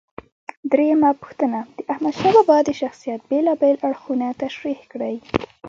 درېمه پوښتنه: د احمدشاه بابا د شخصیت بېلابېل اړخونه تشریح کړئ.